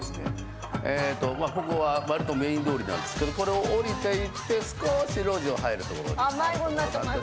えとここは割とメイン通りなんですけどこれを下りて行って少し路地を入るところに。